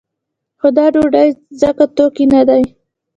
خو دا ډوډۍ ځکه توکی نه دی.